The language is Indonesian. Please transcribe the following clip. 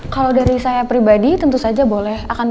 kalau dari saya pribadi tentu saja boleh akan